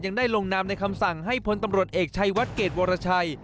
ยังได้ลงนามในคำสั่งให้พลตำรวจเอกชัยวัดเกรดวรชัย